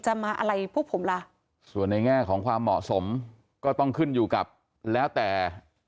มาอะไรพวกผมล่ะส่วนในแง่ของความเหมาะสมก็ต้องขึ้นอยู่กับแล้วแต่